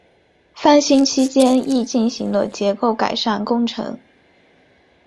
翻新期间亦进行了结构改善工程。